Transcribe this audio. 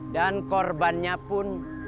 dan korbannya pun